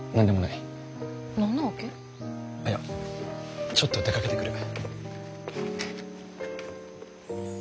いやちょっと出かけてくる。